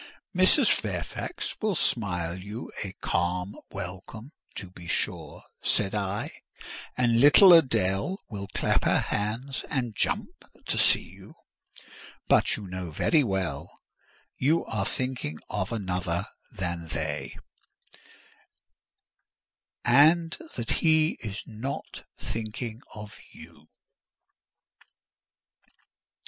"Mrs. Fairfax will smile you a calm welcome, to be sure," said I; "and little Adèle will clap her hands and jump to see you: but you know very well you are thinking of another than they, and that he is not thinking of you."